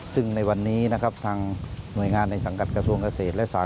ซึ่งในวันนี้นะครับทางหน่วยงานในสังกัดกระทรวงเกษตรและสห